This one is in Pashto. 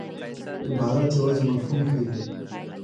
عبارت یوازي مفهوم ښيي.